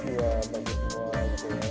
ya banyak sekali